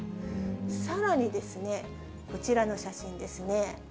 さらにこちらの写真ですね。